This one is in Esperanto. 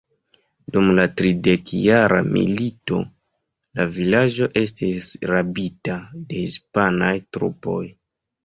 Dum la Tridekjara Milito la vilaĝo estis rabita de hispanaj trupoj.